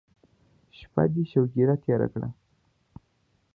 شپه دې شوګیره تېره کړه.